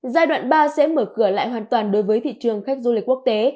giai đoạn ba sẽ mở cửa lại hoàn toàn đối với thị trường khách du lịch quốc tế